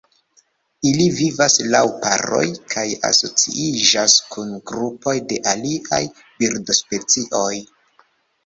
Ili vivas laŭ paroj kaj asociiĝas kun grupoj de aliaj birdospecioj.